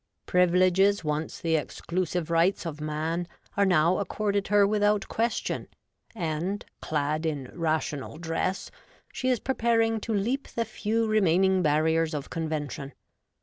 Privileges once the exclusive rights of Man are now accorded her without question, and, clad in Rational Dress, she is preparing to leap the few remaining barriers of convention.